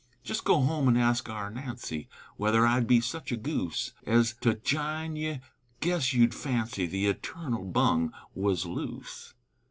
Jest go home an' ask our Nancy Wether I'd be such a goose Ez to jine ye, guess you'd fancy The eternal bung wuz loose!